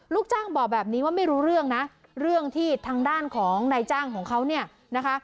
ลูกจ้างบอกแบบนี้ว่าไม่รู้เรื่องนะเรื่องที่ทางด้านของนายจ้างของเขาเนี่ยนะคะ